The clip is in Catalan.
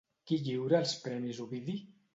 Qui lliura els Premis Ovidi?